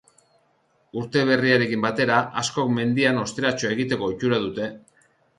Urte berriarekin batera askok mendian osteratxoa egiteko ohitura dute.